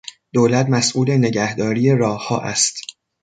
دولت مسئول نگهداری راهها است.